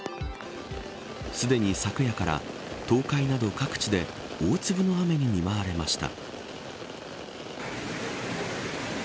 すでに昨夜から東海など各地で大粒の雨に見舞われました。